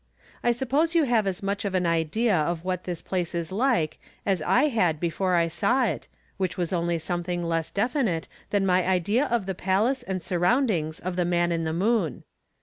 I suppose you have as much of an idea of what this place is like as I had before I saw it, which was only something less definite than my idea of the palace and surroundings of the man in the moon.